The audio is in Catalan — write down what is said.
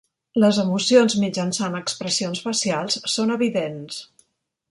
Les emocions mitjançant expressions facials són evidents.